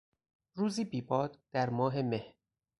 روزی بی باد در ماه مه